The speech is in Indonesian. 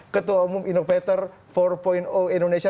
ketua umum innovator empat indonesia